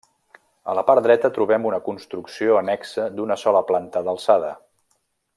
A la part dreta trobem una construcció annexa d'una sola planta d'alçada.